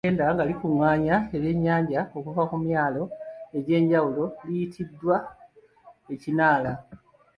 Eryato eddene erigenda nga likungaanya ebyennyanja okuva ku myalo egy’enjawulo liyitibwa Ekinaala.